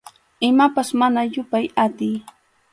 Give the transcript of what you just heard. Imapas mana yupay atiy.